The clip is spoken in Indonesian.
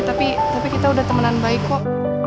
tapi kita udah temenan baik kok